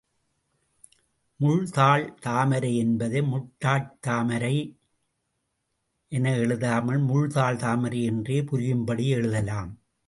முள்தாள் தாமரை என்பதை முட்டாட்டாமரை என எழுதாமல், முள் தாள் தாமரை என்றே புரியும்படி எழுதலாம்.